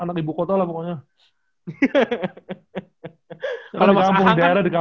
anak ibu kota lah pokoknya